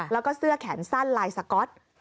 แล้วก็เสื้อแขนสั้นลายสก๊อต